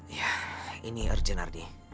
iya ini erjen ardi